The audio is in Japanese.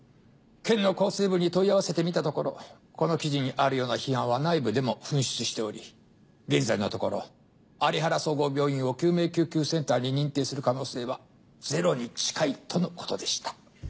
県の厚生部に問い合わせてみたところこの記事にあるような批判は内部でも噴出しており現在のところ有原総合病院を救命救急センターに認定する可能性はゼロに近いとのことでした。